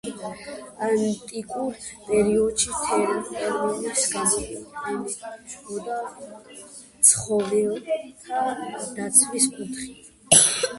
ანტიკურ პერიოდში ტერმინი გამოიყენებოდა ცხოველთა დაცვის კუთხით.